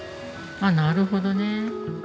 あっなるほどね。